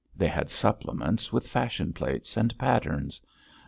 They had supplements with fashion plates and patterns.